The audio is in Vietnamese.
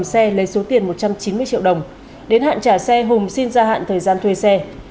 xe lấy số tiền một trăm chín mươi triệu đồng đến hạn trả xe hùng xin gia hạn thời gian thuê xe